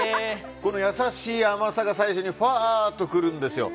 優しい甘さが最初にふわっと来るんですよ。